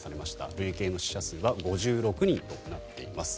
累計の死者数は５６人となっています。